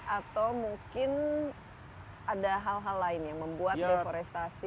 atau mungkin ada hal hal lain yang membuat deforestasi